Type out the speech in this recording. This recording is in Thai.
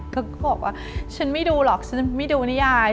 ก็บอกว่าฉันไม่ดูหรอกฉันไม่ดูนิยาย